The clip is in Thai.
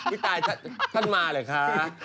พี่ไตชั้นมาเหรอะคะ